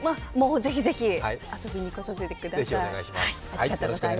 ぜひぜひ、遊びに来させてください。